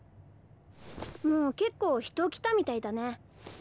もう結構人来たみたいだね。